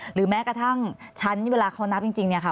หรือแม้กระทั่งชั้นที่เวลาเขานับจริงค่ะ